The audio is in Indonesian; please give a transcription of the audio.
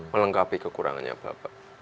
melengkapi kekurangannya bapak